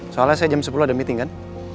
soalnya saya jam sepuluh ada meeting kan